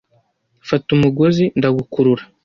Fata umugozi, ndagukurura.